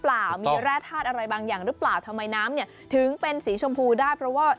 เปล่ามีแร่ธาตุอะไรบางอย่างหรือเปล่าทำไมน้ำเนี่ยถึงเป็นสีชมพูได้เพราะว่า